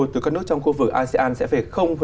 từ các nước trong khu vực asean sẽ về